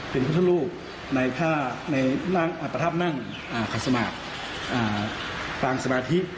เป็นผู้ช่อลูกในพระพันธ์นั่งขัดสมาชิฯต่างสมาธิ